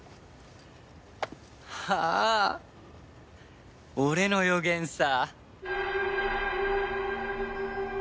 ああ俺の予言さ。